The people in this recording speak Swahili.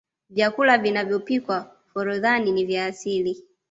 vyakula vinavyopikwa forodhani ni vya asili